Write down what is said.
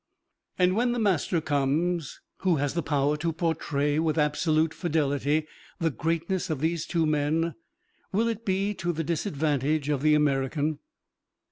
And when the master comes, who has the power to portray with absolute fidelity the greatness of these two men, will it be to the disadvantage of the American?